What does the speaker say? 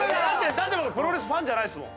だって僕プロレスファンじゃないですもん。